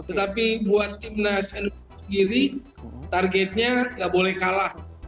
tetapi buat tim nasional sendiri targetnya nggak boleh kalah